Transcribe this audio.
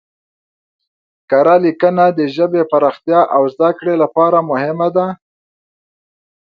کره لیکنه د ژبې پراختیا او زده کړې لپاره مهمه ده.